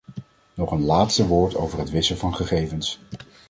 Nog een laatste woord over het wissen van gegevens.